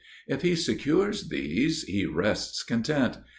If he secures these, he rests content.